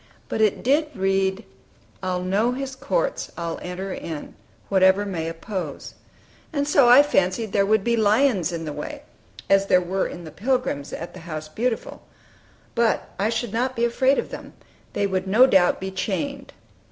But it did read "I know his courts; I'll enter in, Whatever may oppose;" and so I fancied there would be lions in the way, as there were in the Pilgrim's, at the "House Beautiful"; but I should not be afraid of them; they would no doubt be chained.